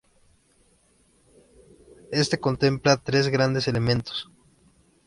Este contempla tres grandes elementos.